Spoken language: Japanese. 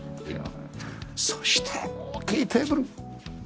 そして大きいテーブル！